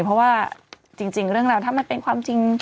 เพราะว่าจริงเรื่องราวถ้ามันเป็นความจริง